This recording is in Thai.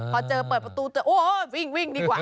พอเจอเปิดประตูเจอโอ้วิ่งดีกว่า